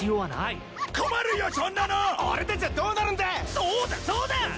そうだそうだ！